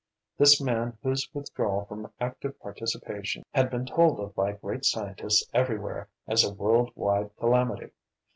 this man whose withdrawal from active participation had been told of by great scientists everywhere as a world wide calamity.